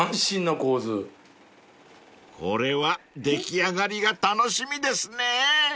［これは出来上がりが楽しみですね］